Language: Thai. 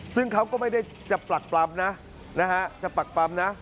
ซึ่งเขาก็ไม่ได้จะปรักปรำนะจะปรักปรำนะ